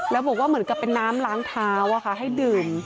แล้วบอกว่าเหมือนกับเป็นน้ำล้างเท้าให้ดื่ม